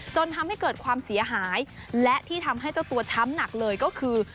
จนทำให้เกิดความเสียหายและที่ทำให้เจ้าตัวช้ำหนักเลยก็คือ